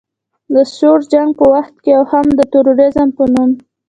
د سوړ جنګ په وخت کې او هم د تروریزم په نوم